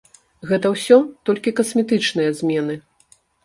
Гэта ўсё толькі касметычныя змены.